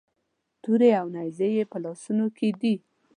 تورې او نیزې یې په لاسونو کې دي.